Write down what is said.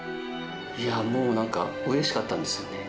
いや、もう、なんかうれしかったんですよね。